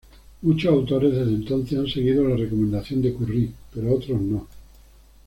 Muchos autores desde entonces han seguido la recomendación de Currie, pero otros no.